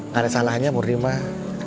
gak ada salahnya murni mah